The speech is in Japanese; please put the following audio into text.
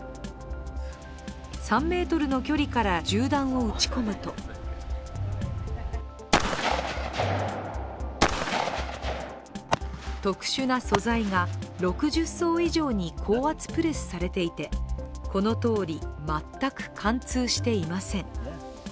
３ｍの距離から銃弾を撃ち込むと特殊な素材が６０層以上に高圧プレスされていてこのとおり、全く貫通していません。